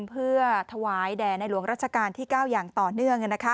เพื่อถวายแด่ในหลวงรัชกาลที่๙อย่างต่อเนื่อง